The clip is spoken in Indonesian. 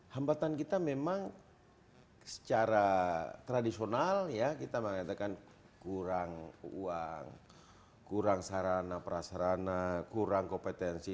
hambatan kita memang secara tradisional ya kita mengatakan kurang uang kurang sarana prasarana kurang kompetensi